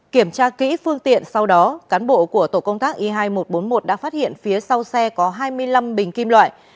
kiểm tra kỹ phương tiện sau đó cán bộ của tổ công tác y hai nghìn một trăm bốn mươi một đã phát hiện phía sau xe có hai mươi năm bình kim loại